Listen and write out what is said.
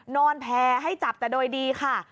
แพร่ให้จับแต่โดยดีค่ะ